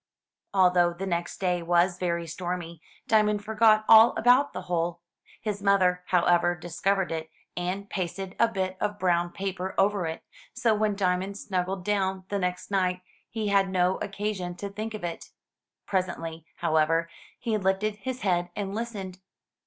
Although the next day was very stormy. Diamond forgot all about the hole. His mother, however, discovered it, and pasted a bit of brown paper over it, so when Diamond snuggled down the next night, he had no occasion to think of it. Presently, however, he lifted his head and listened.